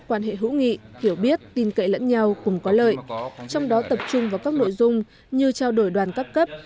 quan hệ hữu nghị hiểu biết tin cậy lẫn nhau cùng có lợi trong đó tập trung vào các nội dung như trao đổi đoàn các cấp